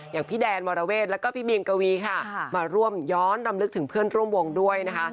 อย่างพี่แดนวรเวทแล้วก็พี่บีมกวีค่ะมาร่วมย้อนรำลึกถึงเพื่อนร่วมวงด้วยนะคะ